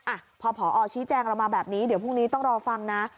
อ่ะพอผอชี้แจงเรามาแบบนี้เดี๋ยวพรุ่งนี้ต้องรอฟังนะ